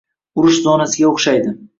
urush zonasiga o'xshaydi